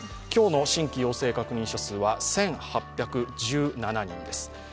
今日の新規陽性確認者数は１８１７人です。